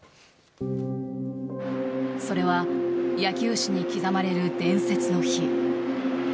それは野球史に刻まれる伝説の日。